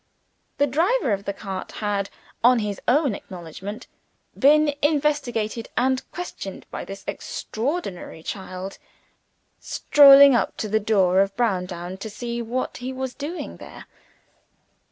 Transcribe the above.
The driver of the cart had, on his own acknowledgment, been investigated and questioned by this extraordinary child; strolling up to the door of Browndown to see what he was doing there.